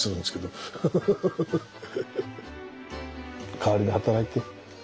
代わりに働いて。